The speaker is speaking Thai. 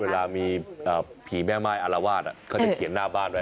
เวลามีผีแม่ไม้อารวาสเขาจะเขียนหน้าบ้านไว้